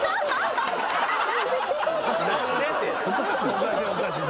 おかしいおかしい。